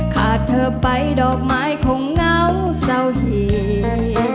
ขาดเธอไปดอกไม้ของเหงาเศร้าเหียง